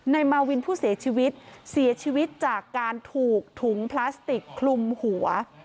มาวินผู้เสียชีวิตเสียชีวิตจากการถูกถุงพลาสติกคลุมหัว